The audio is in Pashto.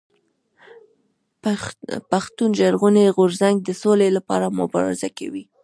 پښتون ژغورني غورځنګ د سولي لپاره مبارزه کوي.